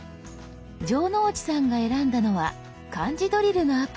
城之内さんが選んだのは漢字ドリルのアプリ。